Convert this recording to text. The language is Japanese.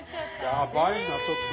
やばいなちょっと。